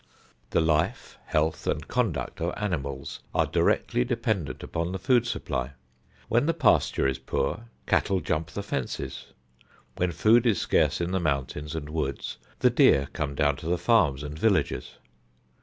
The life, health and conduct of animals are directly dependent upon the food supply. When the pasture is poor cattle jump the fences. When food is scarce in the mountains and woods the deer come down to the farms and villages.